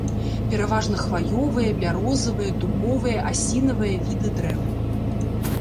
Пераважна хваёвыя, бярозавыя, дубовыя, асінавыя віды дрэў.